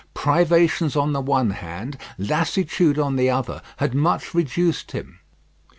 Privations on the one hand, lassitude on the other, had much reduced him.